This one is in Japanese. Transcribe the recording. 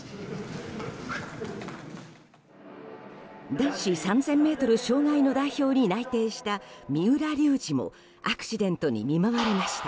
男子３０００ｍ障害の代表に内定した三浦龍司もアクシデントに見舞われました。